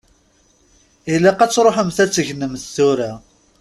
Ilaq ad tṛuḥemt ad tegnemt tura.